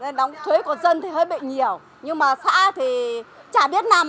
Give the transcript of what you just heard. nóng thuế của dân thì hơi bị nhiều nhưng mà xã thì chả biết làm